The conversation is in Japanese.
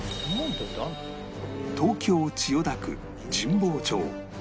東京千代田区神保町